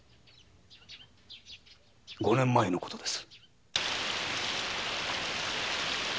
五年前の事です。